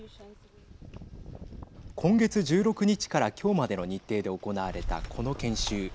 今月１６日から今日までの日程で行われたこの研修。